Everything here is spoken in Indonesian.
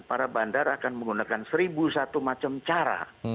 para bandar akan menggunakan seribu satu macam cara